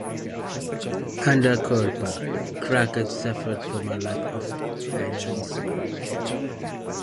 Under Kulpa, "Cracked" suffered from a lack of financing.